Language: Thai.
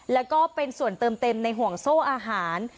แล้วก็เป็นส่วนเติมเต็มในห่วงโซ่อาหาร